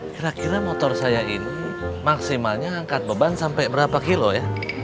kira kira motor saya ini maksimalnya angkat beban sampai berapa kilo ya